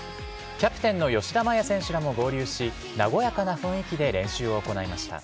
キャプテンの吉田麻也選手らも合流し、和やかな雰囲気で練習を行いました。